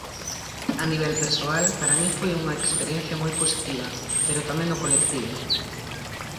A nivel persoal, para min foi unha experiencia moi positiva, pero tamén no colectivo.